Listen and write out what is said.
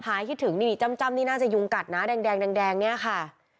คิดถึงนี่จ้ำนี่น่าจะยุงกัดนะแดงเนี่ยค่ะ